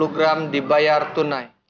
lima puluh gram dibayar tunai